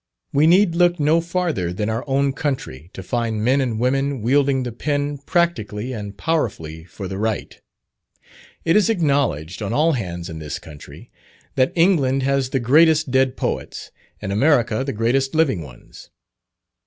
We need look no farther than our own country to find men and women wielding the pen practically and powerfully for the right. It is acknowledged on all hands in this country, that England has the greatest dead poets, and America the greatest living ones.